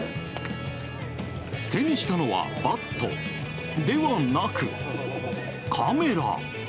手にしたのは、バットではなくカメラ。